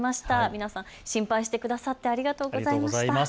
皆さん、心配してくださってありがとうございました。